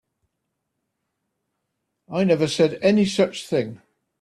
I never said any such thing.